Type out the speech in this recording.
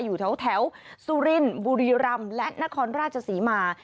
อยู่แถวสุรินบุรีรำและนครราชศรีมา